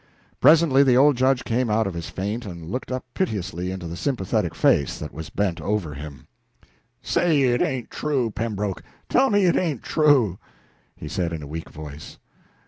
Presently the old Judge came out of his faint and looked up piteously into the sympathetic face that was bent over him. "Say it ain't true, Pembroke; tell me it ain't true!" he said in a weak voice.